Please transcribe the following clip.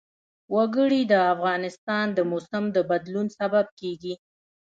وګړي د افغانستان د موسم د بدلون سبب کېږي.